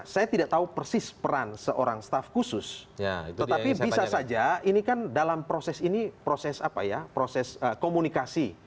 saya tidak tahu peran seorang staf khusus tetapi bisa saja ini kan proses ini proses komunikasi